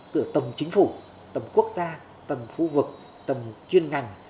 từ tầm chính phủ tầm quốc gia tầm khu vực tầm chuyên ngành